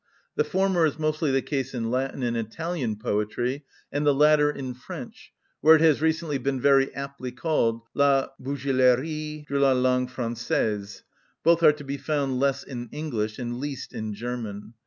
The former is mostly the case in Latin and Italian poetry, and the latter in French, where it has recently been very aptly called, "La bégeulerie de la langue française;" both are to be found less in English, and least in German.